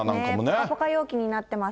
ぽかぽか陽気になっています。